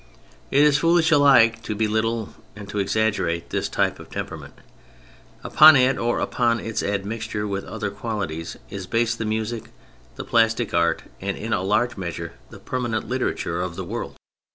It is foolish alike to belittle and to exaggerate this type of temperament. Upon it or upon its admixture with other qualities is based the music, the plastic art, and in a large measure the per manent literature of the world.